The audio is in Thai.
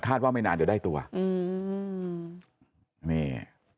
คาดว่าไม่นานจะได้ตัวอืมนี่